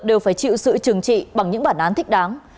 đều phải chịu sự trừng trị bằng những bản án thích đáng